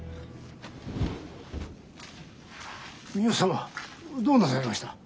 三好様どうなさいました？